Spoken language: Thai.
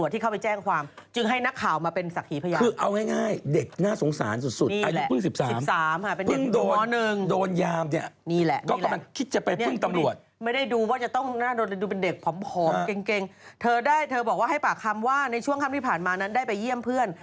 เธอบอกว่าให้ปากคำว่าในช่วงค่ำที่ผ่านมานั้นได้ไปเยี่ยมเพื่อน